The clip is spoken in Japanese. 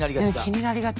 気になりがち。